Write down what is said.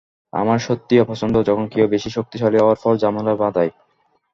আমার সত্যিই অপছন্দ যখন কেউ বেশি শক্তিশালী হওয়ার পর ঝামেলা বাঁধায়।